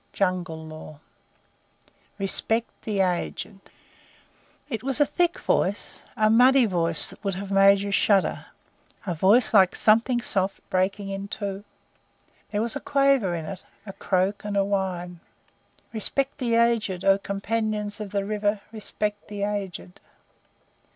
Jungle Law "Respect the aged!" "It was a thick voice a muddy voice that would have made you shudder a voice like something soft breaking in two. There was a quaver in it, a croak and a whine. "Respect the aged! O Companions of the River respect the aged!"